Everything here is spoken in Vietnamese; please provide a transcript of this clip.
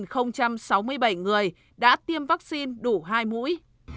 trong đó năm trăm sáu mươi bảy người đã tiêm vaccine đủ hai mũi